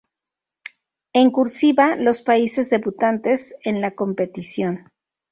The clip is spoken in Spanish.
En "cursiva" los países debutantes en la competición.